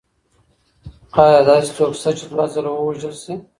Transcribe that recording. ایا داسې څوک سته چي دوه ځله ووژل سي؟